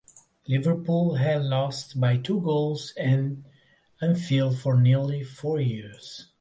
Liverpool had not lost by two goals at Anfield for nearly four years.